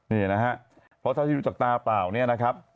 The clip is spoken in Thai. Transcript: นี่นะฮะเพราะเท่าที่ดูจากตาเปล่าเนี่ยนะครับ